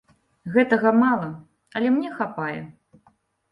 Гэтага мала, але мне хапае.